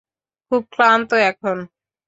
খুব ক্লান্ত এখন।